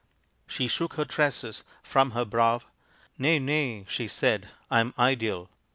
She shook the tresses from her brow. "Nay, nay!" she said, "I am ideal.